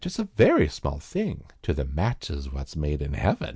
It's a very small thing To the matches wot's made in Heaven!"